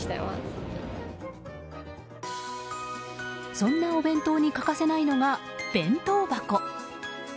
そんなお弁当に欠かせないのが弁当箱。